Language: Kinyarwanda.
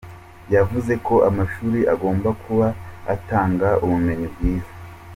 Yavuze ko amashuri agomba kuba atanga ubumenyi bwiza.